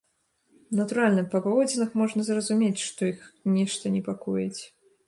Натуральна, па паводзінах можна зразумець, што іх нешта непакоіць.